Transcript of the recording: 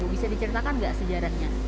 bisa diceritakan nggak sejarahnya